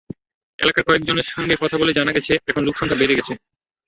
এলাকার কয়েকজনের সঙ্গে কথা বলে জানা গেছে, এখন লোকসংখ্যা বেড়ে গেছে।